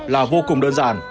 là vô cùng đơn giản